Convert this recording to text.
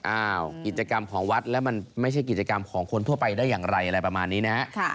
กิจกรรมของวัดแล้วมันไม่ใช่กิจกรรมของคนทั่วไปได้อย่างไรอะไรประมาณนี้นะฮะ